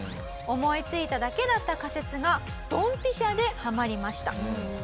思いついただけだった仮説がドンピシャではまりました。